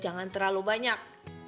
jangan terlalu banyak